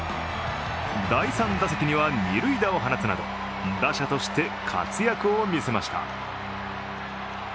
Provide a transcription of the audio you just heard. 第３打席には二塁打を放つなど打者として活躍を見せました。